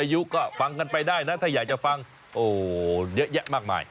อายุก็ฟังกันไปได้นะถ้าอยากจะฟังโอ้เยอะแยะมากมาย